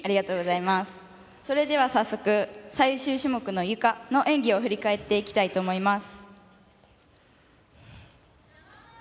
それでは早速最終種目のゆかの演技を振り返っていきたいと思います。